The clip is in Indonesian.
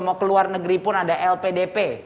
mau ke luar negeri pun ada lpdp